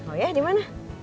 oh ya di mana